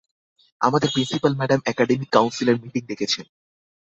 আমাদের principal madam academic কাউন্সিলের meeting ডেকেছেন।